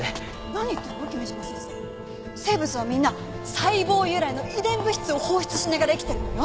生物はみんな細胞由来の遺伝物質を放出しながら生きてるのよ。